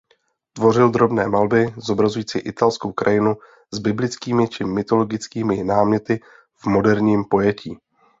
Tvořil drobné malby zobrazující italskou krajinu s biblickými či mytologickými náměty v moderním pojetí.